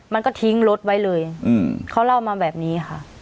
มันก็ทิ้งรถไว้เลยเขาเล่ามาแบบนี้ค่ะ